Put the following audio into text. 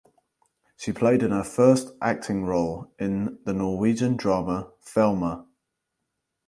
She played her first acting role in the Norwegian drama "Thelma".